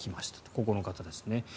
ここの方ですね